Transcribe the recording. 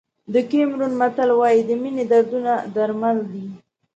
د کیمرون متل وایي د مینې دردونه درمل دي.